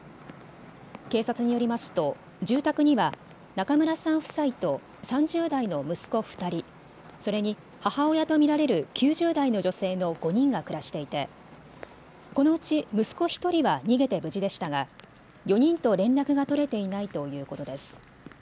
警察によりますと住宅には中村さん夫妻と３０代の息子２人、それに母親と見られる９０代の女性の５人が暮らしていてこのうち息子１人は逃げて無事でしたが４人と連絡が取れていないということです。